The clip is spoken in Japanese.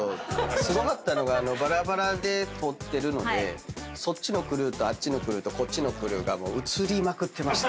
すごかったのがばらばらで撮ってるのでそっちのクルーとあっちのクルーとこっちのクルーが映りまくってました。